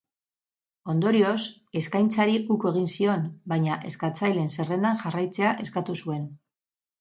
Ondorioz, eskaintzari uko egin zion, baina eskatzaileen zerrendan jarraitzea eskatu zuen.